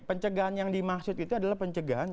pencegahan yang dimaksud itu adalah pencegahan